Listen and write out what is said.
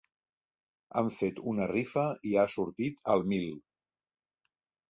Han fet una rifa i ha sortit el mil.